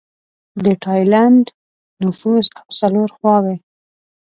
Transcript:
د ټایلنډ نفوس او څلور خواووې